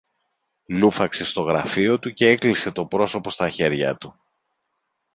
λούφαξε στο γραφείο του και έκλεισε το πρόσωπο στα χέρια του